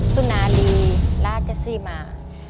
สุนารีราชซี่มา